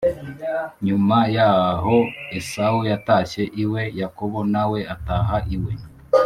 Nyuma yaho Esawu yatashye iwe Yakobo na we ataha iwe